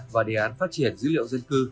và đề án phát triển dữ liệu dân cư